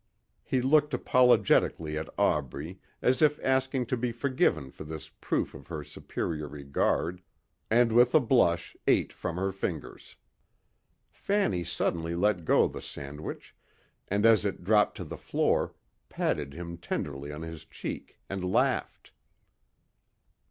He looked apologetically at Aubrey as if asking to be forgiven for this proof of her superior regard and with a blush ate from her fingers. Fanny suddenly let go the sandwich and as it dropped to the floor, patted him tenderly on his cheek and laughed.